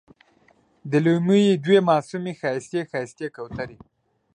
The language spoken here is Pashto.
د لېمو یې دوې معصومې ښایستې، ښایستې کوترې